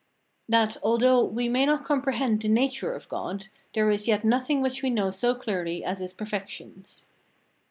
That, although we may not comprehend the nature of God, there is yet nothing which we know so clearly as his perfections.